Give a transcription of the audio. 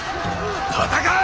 戦え！